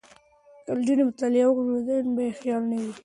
که نجونې مطالعه وکړي نو ذهن به یې خالي نه وي.